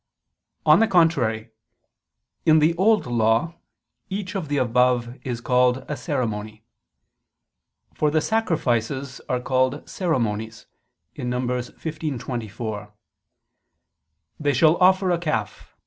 On the contrary, In the Old Law each of the above is called a ceremony. For the sacrifices are called ceremonies (Num. 15:24): "They shall offer a calf